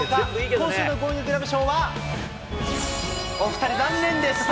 今週のゴーインググラブ賞は、お２人残念でした。